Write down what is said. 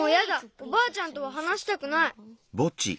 おばあちゃんとははなしたくない。